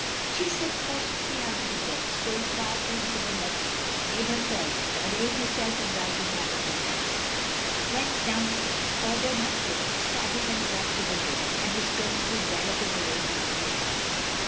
She slipped cautiously out of the bed, stole quietly into the next room, made her toilet, arraying herself in riding habit and hat, went down stairs, ordered her pony saddled and brought to the door, and was presently galloping away down the avenue.